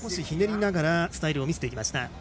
ひねりながらスタイルを見せていきました。